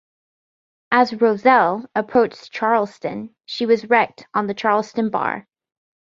As "Roselle" approached Charleston she was wrecked on the Charleston Bar.